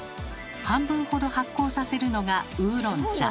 半分ほど発酵させるのがウーロン茶。